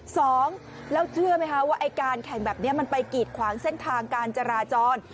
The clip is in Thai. สองแล้วเชื่อไหมคะว่าไอ้การแข่งแบบนี้มันไปกีดขวางเส้นทางการจราจร